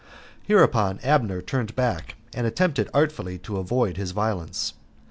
Hereupon Abner turned back, and attempted artfully to avoid his violence.